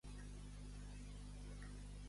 En ratllar l'alba.